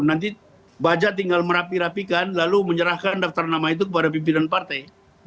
nanti baja tinggal merapi rapikan lalu menyerahkan daftar nama itu kepada pimpinan partai